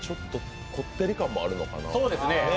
こってり感もあるのかな。